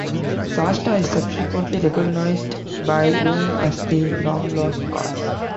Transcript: Shasta is subsequently recognized by Lune as the long lost Cor.